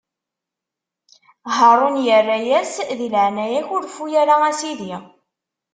Haṛun irra-as: Di leɛnaya-k, ur reffu ara, a sidi!